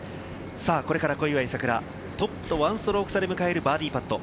これから小祝さくら、トップと１ストローク差で迎えるバーディーパット。